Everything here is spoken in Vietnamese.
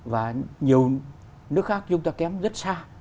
và nhiều nước khác chúng ta kém rất xa